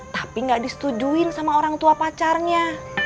tapi gak disetujuin sama orang tua pacarnya